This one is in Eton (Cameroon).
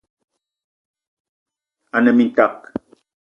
Me ne mintak